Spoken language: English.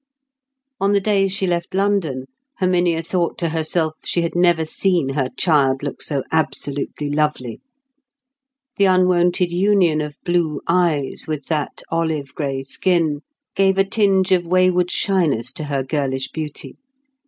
On the day she left London, Herminia thought to herself she had never seen her child look so absolutely lovely. The unwonted union of blue eyes with that olive grey skin gave a tinge of wayward shyness to her girlish beauty.